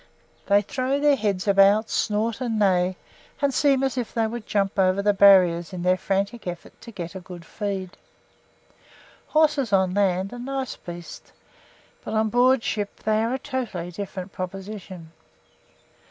They throw their heads about, snort and neigh, and seem as if they would jump over the barriers in their frantic effort to get a good feed. Horses on land are nice beasts, but on board ship they are a totally different proposition.